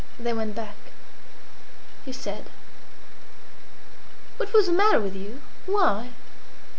They went back. He said "What was the matter with you? Why?